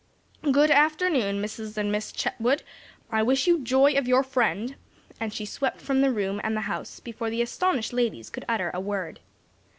"Good afternoon, Mrs. and Miss Chetwood; I wish you joy of your friend," and she swept from the room and the house, before the astonished ladies could utter a word.